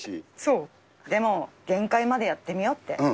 でも、限界までやってみようって。